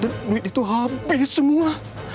dan duit itu habis semua